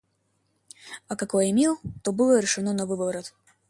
А какое имел, то было решено навыворот.